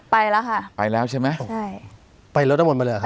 ไปแล้วค่ะไปแล้วใช่ไหมใช่ไปรถน้ำมนต์ไปเลยเหรอครับ